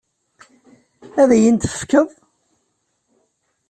Ad iyi-ten-tefkeḍ?